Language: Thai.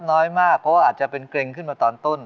น้อยมากเพราะว่าอาจจะเป็นเกร็งขึ้นมาตอนต้น